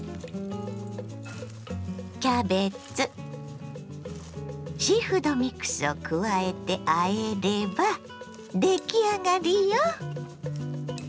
キャベツシーフードミックスを加えてあえれば出来上がりよ。